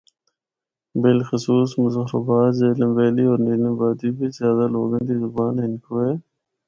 بلخصوص مظفرٓاباد، جہلم ویلی ہور نیلم وادی بچ زیادہ لوگاں دی زبان ہندکو ہے۔